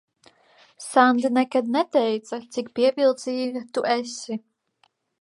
Sanda nekad neteica, cik pievilcīga tu esi.